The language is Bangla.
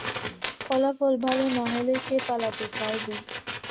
ফলাফল ভালো না হলে সে পালাতে চাইবে।